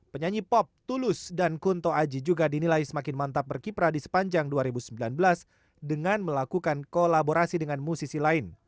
penyanyi pop tulus dan kunto aji juga dinilai semakin mantap berkiprah di sepanjang dua ribu sembilan belas dengan melakukan kolaborasi dengan musisi lain